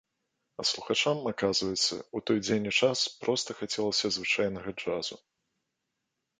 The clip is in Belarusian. А слухачам, аказваецца, у той дзень і час, проста хацелася звычайнага джазу.